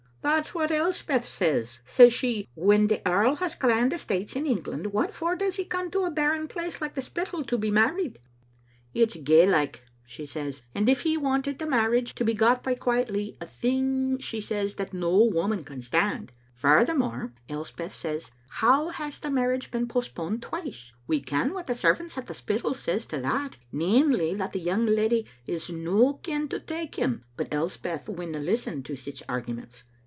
"That's what Elspetb says. Says she, *When th^ earl has grand estates in England, what for does h€ come to a barren place like the Spittal to be married I IS Digitized by VjOOQ IC 326 Vbc Xittle Afnf0tet. It's gey like,* she says, *as if he wanted the marriage to be got by quietly; a thing,' says she, *that no woman can stand. Furthermore,* Elspeth says, *how has the marriage been postponed twice?* We ken what the servants at the Spittal says to that, namely, that the young lady is no keen to take him, but Elspeth winna listen to sic arguments.